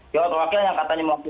dewan perwakilan yang katanya mewakili